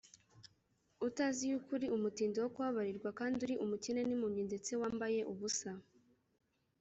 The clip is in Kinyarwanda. ’, utazi yuko uri umutindi wo kubabarirwa, kandi uri umukene n’impumyi ndetse wambaye ubusa